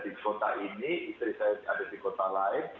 di kota ini istri saya ada di kota lain